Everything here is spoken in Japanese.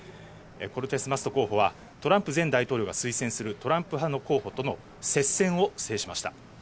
コルテスマスト候補はトランプ前大統領が推薦するトランプ派の候補との接戦を制しました。